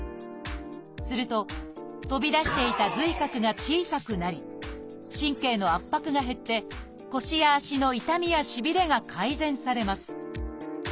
すると飛び出していた髄核が小さくなり神経の圧迫が減って腰や足の痛みやしびれが改善されます